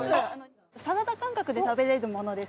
サラダ感覚で食べれるものです。